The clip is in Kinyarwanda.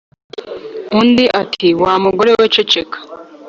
Undi ati « wa mugore we ceceka.